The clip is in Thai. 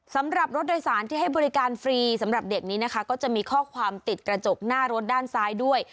สำหรับรถโดยสารที่ให้บริการฟรีสำหรับเด็กนี้นะคะก็จะมีข้อความติดกระจกหน้ารถด้านซ้ายด้วย